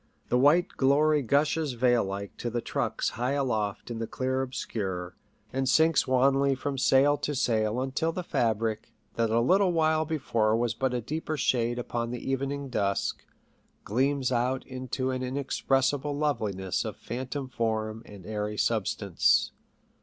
The white glory gushes veil like to the trucks high aloft in the clear obscure, and sinks wanly from sail to sail until the fabric, that a little while before was but a deeper shade upon the evening dusk, gleams out into an inexpressible loveliness of phantom form and airy substance.